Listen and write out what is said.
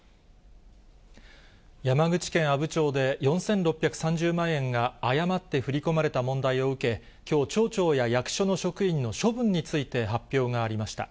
山口県阿武町で、４６３０万円が誤って振り込まれた問題を受け、きょう、町長や役所の職員の処分について発表がありました。